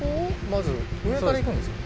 まず上からいくんですか？